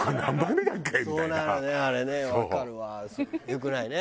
良くないね。